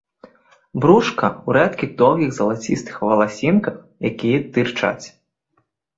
Брушка ў рэдкіх доўгіх залацістых валасінках, якія тырчаць.